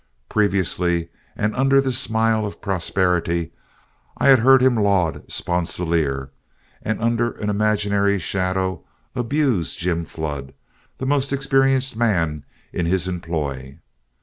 Previously and under the smile of prosperity, I had heard him laud Sponsilier, and under an imaginary shadow abuse Jim Flood, the most experienced man in his employ.